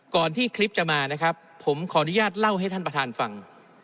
ที่คลิปจะมานะครับผมขออนุญาตเล่าให้ท่านประธานฟัง